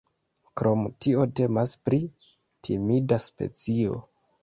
Krom tio temas pri timida specio.